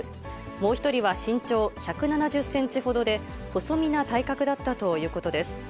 もう１人は身長１７０センチほどで、細身な体格だったということです。